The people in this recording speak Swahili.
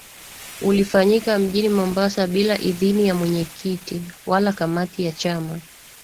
Ulifanyika mjini Mombasa bila idhini ya mwenyekiti wala kamati ya chama